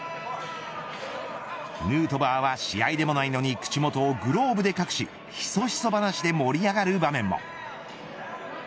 ヌートバーは、試合でもないのに口元をグローブで隠しひそひそ話しで盛り上がる場面も。